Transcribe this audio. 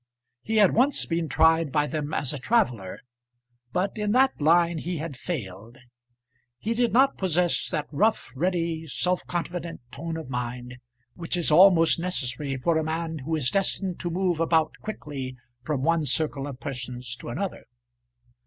He had once been tried by them as a traveller, but in that line he had failed. He did not possess that rough, ready, self confident tone of mind which is almost necessary for a man who is destined to move about quickly from one circle of persons to another.